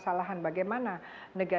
dulu orang orang yang mene ban